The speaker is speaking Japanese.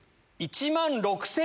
１万６９００円。